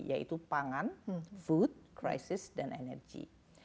yaitu pangan food crisis dan energi